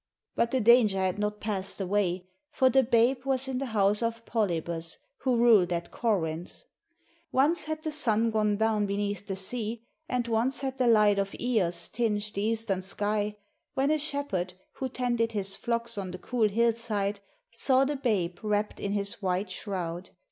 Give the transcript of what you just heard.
But the danger had not passed away, for the babe was in the house of Polybus, who" ruled at Corinth. Once had the sun gone down beneath the sea, and once had the light of Eos tinged the eastern sky, when a shepherd who tended his flocks on the cool hillside saw the babe wrapped in his white shroud.